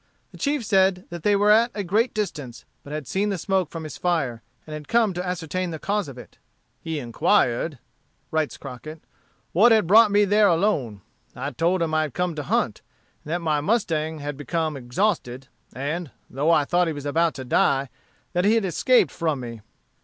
The chief said that they were at a great distance, but had seen the smoke from his fire, and had come to ascertain the cause of it. "He inquired," writes Crockett, "what had brought me there alone. I told him I had come to hunt, and that my mustang had become exhausted, and, though I thought he was about to die, that he had escaped from me.